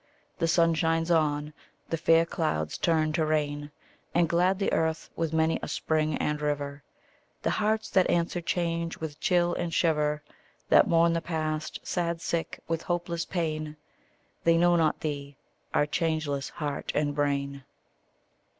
The sun shines on; the fair clouds turn to rain, And glad the earth with many a spring and river. The hearts that answer change with chill and shiver, That mourn the past, sad sick, with hopeless pain, They know not thee, our changeless heart and brain.